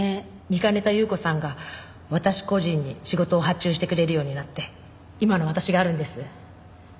見かねた祐子さんが私個人に仕事を発注してくれるようになって今の私があるんです。